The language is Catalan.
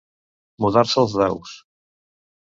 Mudar-se els daus.